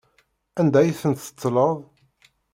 Anda ay ten-tettleḍ?